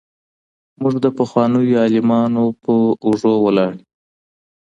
موږ د پخوانيو عالمانو په اوږو ولاړ يو.